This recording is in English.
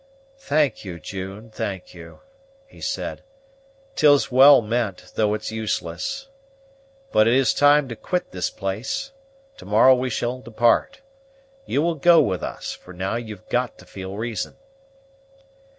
"Thank you, June, thank you!" he said; "'tis well meant, though it's useless. But it is time to quit this place. To morrow we shall depart. You will go with us, for now you've got to feel reason."